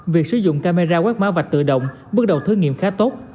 việc sử dụng camera quét mã vạch tự động bước đầu thử nghiệm khá tốt